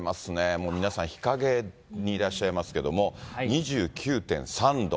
もう皆さん日陰にいらっしゃいますけれども、２９．３度。